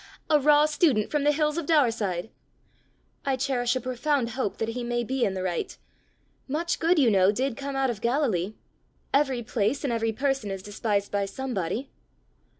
A raw student from the hills of Daurside!" "I cherish a profound hope that he may be in the right. Much good, you know, did come out of Galilee! Every place and every person is despised by somebody!"